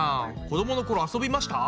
子どものころ遊びました？